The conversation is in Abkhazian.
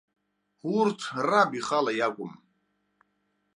Урҭ, раб ихала иакәым.